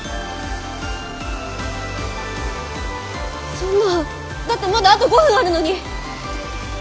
そんなだってまだあと５分あるのに！